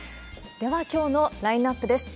では、きょうのラインナップです。